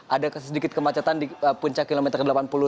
ada sedikit kemacetan di puncak kilometer delapan puluh dua